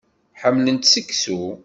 Ḥemmlent seksu.